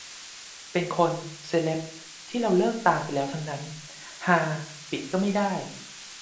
เป็นคน เซเลบ ที่เราเลิกตามไปแล้วทั้งนั้น ฮา ปิดก็ไม่ได้